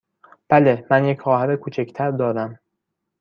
بله، من یک خواهر کوچک تر دارم.